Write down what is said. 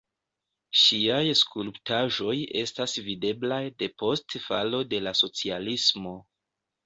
Ŝiaj skulptaĵoj estas videblaj depost falo de la socialismo.